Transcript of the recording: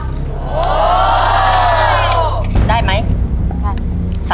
ตัวเลือกที่สี่ชัชวอนโมกศรีครับ